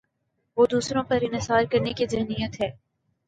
وہ دوسروں پر انحصار کرنے کی ذہنیت ہے۔